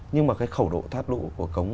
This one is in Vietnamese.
nhưng mà cái khẩu độ tháp lũ của cống